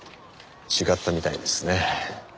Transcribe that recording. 違ったみたいですね。